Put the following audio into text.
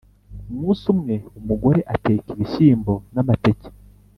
Umunsi umwe, umugore ateka ibishyimbo n’amateke,